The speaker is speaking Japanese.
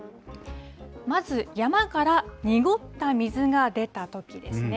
まず、山から濁った水が出たときですね。